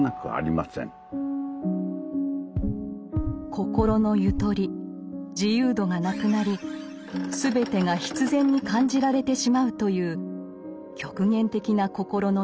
心のゆとり自由度がなくなりすべてが必然に感じられてしまうという極限的な心の状態。